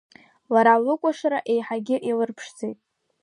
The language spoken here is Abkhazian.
Лара лыкәашара еиҳагьы илырԥшӡеит.